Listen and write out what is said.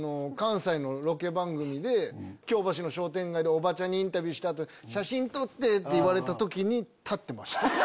京橋の商店街でおばちゃんにインタビューした後「写真撮って」って言われた時にたってました。